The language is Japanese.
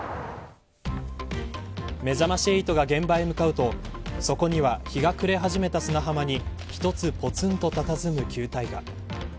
めざまし８が現場へ向かうとそこには日が暮れ始めた砂浜に一つ、ぽつんとたたずむ球体が。